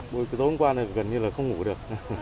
buổi tối hôm qua gần như là không ngủ được